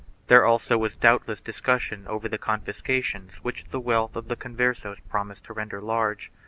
There also was doubtless discussion over the confiscations which the wealth of the Converses promised to render large.